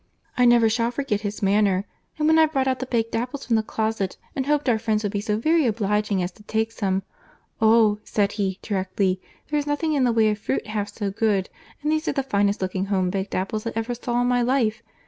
I never shall forget his manner. And when I brought out the baked apples from the closet, and hoped our friends would be so very obliging as to take some, 'Oh!' said he directly, 'there is nothing in the way of fruit half so good, and these are the finest looking home baked apples I ever saw in my life.